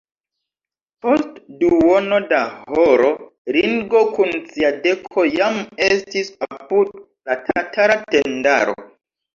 Post duono da horo Ringo kun sia deko jam estis apud la tatara tendaro.